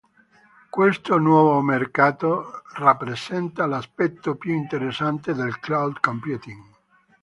Questo nuovo mercato rappresenta l'aspetto più interessante del Cloud Computing.